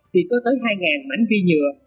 thì có tới hai mảnh vi nhựa